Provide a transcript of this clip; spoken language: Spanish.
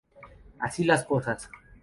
Así las cosas.